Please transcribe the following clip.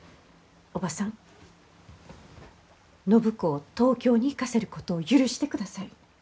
おばさん暢子を東京に行かせることを許してください。